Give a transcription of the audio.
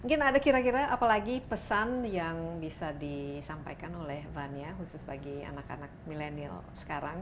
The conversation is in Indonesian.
mungkin ada kira kira apalagi pesan yang bisa disampaikan oleh vania khusus bagi anak anak milenial sekarang